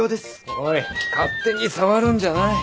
おい勝手に触るんじゃない。